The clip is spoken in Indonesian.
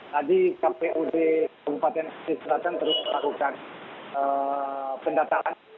tadi kpud kabupaten selatan terus melakukan pendataan